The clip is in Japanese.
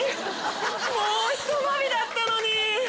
もうひと伸びだったのに！